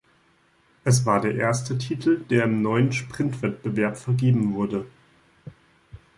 Es war der erste Titel, der im neuen Sprintwettbewerb vergeben wurde.